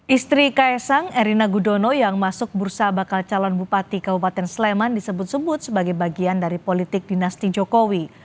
istri kaisang erina gudono yang masuk bursa bakal calon bupati kabupaten sleman disebut sebut sebagai bagian dari politik dinasti jokowi